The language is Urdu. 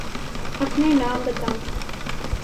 أپنے نام بتاؤ۔